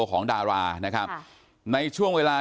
ลองฟังเสียงช่วงนี้ดูค่ะ